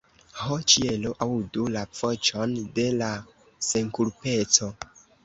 Ho ĉielo, aŭdu la voĉon de la senkulpeco!